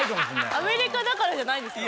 アメリカだからじゃないんですか？